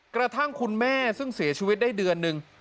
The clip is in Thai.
กระทั่งคุณแม่ซึ่งเสียชีวิตได้เดือนหนึ่ง